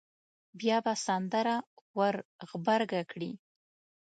بیا به سندره ور غبرګه کړي.